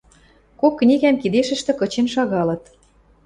Кок книгӓм кидешӹштӹ кычен шагалыт.